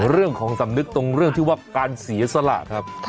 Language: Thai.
เรื่องของสำนึกตรงเรื่องที่ว่าการเสียสละครับ